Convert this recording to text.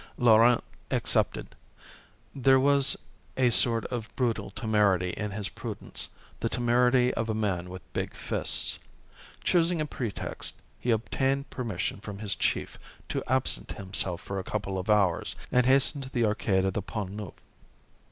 Laurent accepted. There was a sort of brutal temerity in his prudence, the temerity of a man with big fists. Choosing a pretext, he obtained permission from his chief to absent himself for a couple of hours, and hastened to the Arcade of the Pont Neuf.